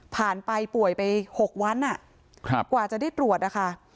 ไปป่วยไป๖วันกว่าจะได้ตรวจนะคะ